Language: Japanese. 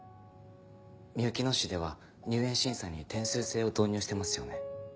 みゆきの市では入園審査に点数制を導入してますよね。